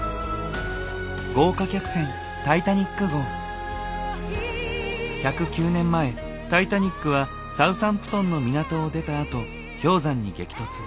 豪華客船１０９年前タイタニックはサウサンプトンの港を出たあと氷山に激突。